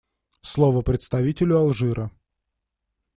Слово представителю Алжира.